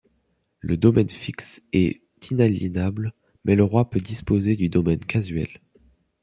Le domaine fixe est inaliénable, mais le roi peut disposer du domaine casuel.